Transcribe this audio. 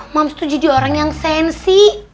mams tuh jadi orang yang sensi